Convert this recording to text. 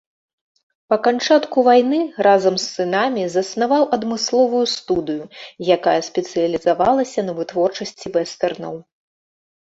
Па канчатку вайны разам з сынамі заснаваў адмысловую студыю, якая спецыялізавалася на вытворчасці вестэрнаў.